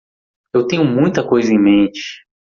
Eu tenho muita coisa em mente.